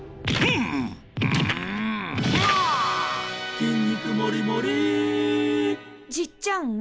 「筋肉もりもり」じっちゃん？